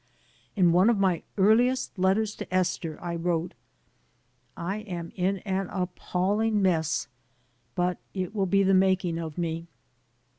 In one of my earliest letters to Esther I wrote: ^^I am in an appalling mess, but it will be the making of me."